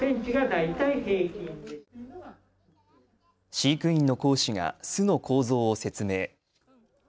飼育員の講師が巣の構造を説明。